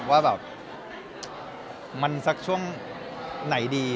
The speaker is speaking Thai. ว่ามันซักช่วงไหนดี